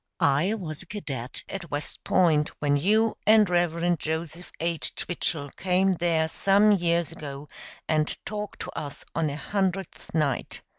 I was a cadet at West Point when you and Rev. Joseph H. Twichell came there some years ago and talked to us on a Hundredth Night.